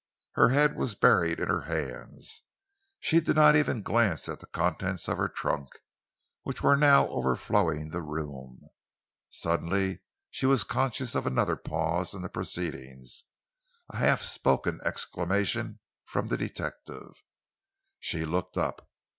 Her head was buried in her hands. She did not even glance at the contents of her trunk, which were now overflowing the room. Suddenly she was conscious of another pause in the proceedings, a half spoken exclamation from the detective. She looked up.